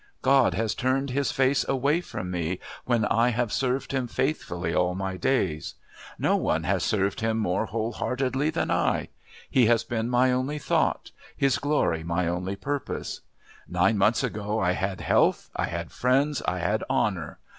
God has turned His face away from me when I have served Him faithfully all my days. No one has served Him more whole heartedly than I. He has been my only thought, His glory my only purpose. Nine months ago I had health, I had friends, I had honour.